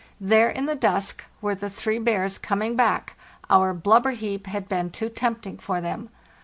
There in the dusk were the three bears coming back—our blubber heap had been too tempting for them.